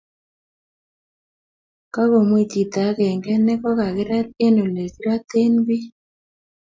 Kagomwei choto agenge negogagirat eng olegiraten biik